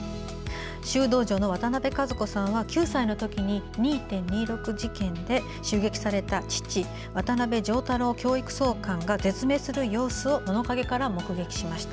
修道女の渡辺和子さんは９歳の時に二・二六事件で襲撃された父渡辺錠太郎教育総監が絶命する様子を物陰から目撃しました。